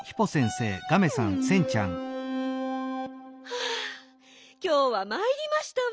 はあきょうはまいりましたわ。